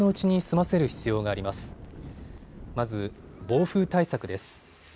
まず暴風対策です。